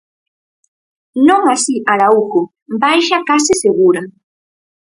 Non así Araújo, baixa case segura.